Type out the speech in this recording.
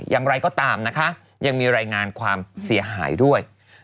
อย่างไรก็ตามนะคะยังมีรายงานความเสียหายด้วย